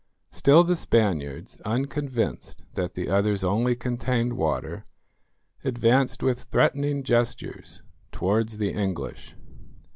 Still the Spaniards, unconvinced that the others only contained water, advanced with threatening gestures towards the English.